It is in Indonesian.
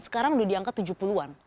sekarang udah diangkat tujuh puluhan